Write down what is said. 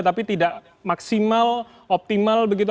tapi tidak maksimal optimal begitu